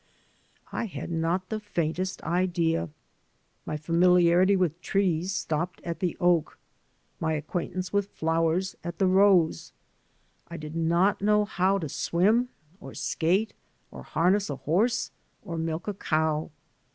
I had not the faintest idea. My familiarity with trees stopped at the oak; my acquaint ance with flowers at the rose. I did not know how to swim or skate or harness a horse or milk a cow.